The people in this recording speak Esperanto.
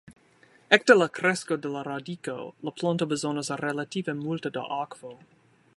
Ekde la kresko de la radiko la planto bezonas relative multe da akvo.